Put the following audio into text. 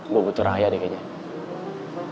gue butuh raya deh kayaknya